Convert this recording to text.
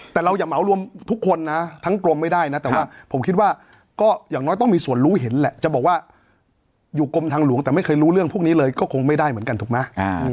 แต่เราอย่าเหมารวมทุกคนนะทั้งกรมไม่ได้นะแต่ว่าผมคิดว่าก็อย่างน้อยต้องมีส่วนรู้เห็นแหละจะบอกว่าอยู่กรมทางหลวงแต่ไม่เคยรู้เรื่องพวกนี้เลยก็คงไม่ได้เหมือนกันถูกไหม